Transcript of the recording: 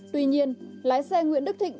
tuy nhiên lái xe nguyễn đức thịnh